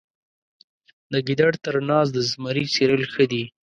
د ګیدړ تر ناز د زمري څیرل ښه دي.